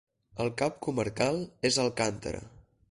El cap comarcal és Alcántara.